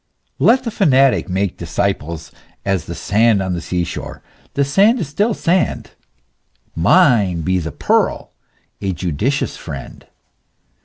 Let the fanatic make disciples as the sand on the sea shore; the sand is still sand; mine be the pearl a judicious friend.